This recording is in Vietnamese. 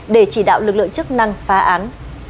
để chỉ đạo lực lượng chức năng phá án